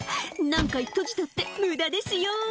何回閉じたって無駄ですよ」